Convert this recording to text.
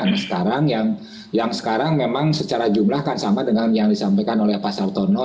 nah sekarang yang sekarang memang secara jumlah kan sama dengan yang disampaikan oleh pak sartono